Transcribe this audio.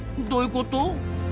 どういうこと？